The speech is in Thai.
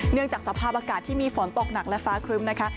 จากสภาพอากาศที่มีฝนตกหนักและฟ้าครึ้มนะคะ